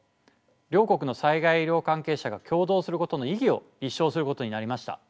両国の災害医療関係者が協同することの意義を立証することになりました。